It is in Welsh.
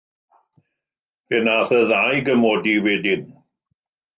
Fe wnaeth y ddau gymodi wedyn.